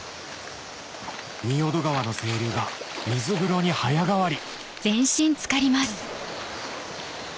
仁淀川の清流が水風呂に早変わり！